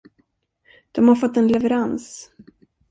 De har fått en leverans.